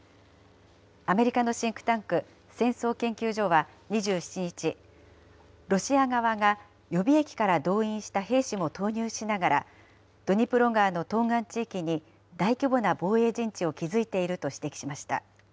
アメリカのシンクタンク、戦争研究所は２７日、ロシア側が予備役から動員した兵士も投入しながら、ドニプロ川の東岸地域に大規模な防衛陣地を築いていると指摘しました。